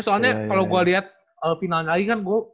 soalnya kalau gue liat finalnya lagi kan